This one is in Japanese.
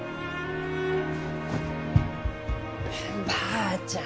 おばあちゃん